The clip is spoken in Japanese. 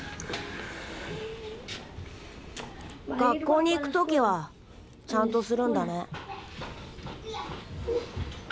学校に行く時はちゃんとするんだね。